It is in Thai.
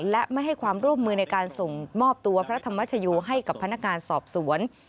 และไม่ให้ความร่วมมือในการส่งมอบตัวพระธรรมชโยให้กับพนักงานสอบสวน